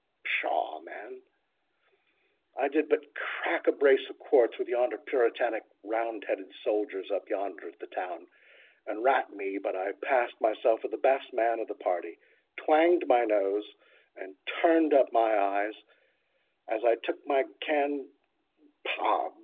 "Pshaw! man, I did but crack a brace of quarts with yonder puritanic, roundheaded soldiers, up yonder at the town; and rat me but I passed myself for the best man of the party; twanged my nose, and turned up my eyes, as I took my can—Pah!